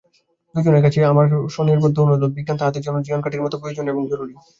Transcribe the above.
দুজনের কাছেই আমার সনির্বন্ধ অনুরোধ, বিজ্ঞান আমাদের জন্য জিয়নকাঠির মতো প্রয়োজনীয় এবং জরুরি।